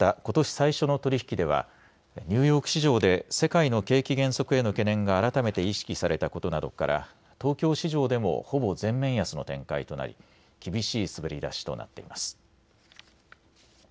最初の取り引きではニューヨーク市場で世界の景気減速への懸念が改めて意識されたことなどから東京市場でもほぼ全面安の展開となり厳しい滑り出しとなっています。